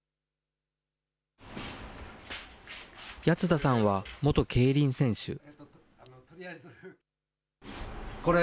谷津田さんは元競輪選手。